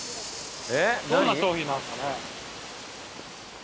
どんな商品なんですかね？